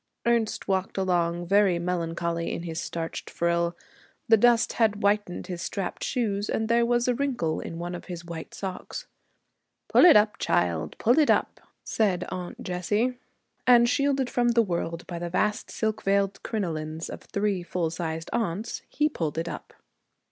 Ernest walked along very melancholy in his starched frill. The dust had whitened his strapped shoes, and there was a wrinkle in one of his white socks. 'Pull it up, child, pull it up,' said Aunt Jessie; and shielded from the world by the vast silk veiled crinolines of three full sized aunts, he pulled it up.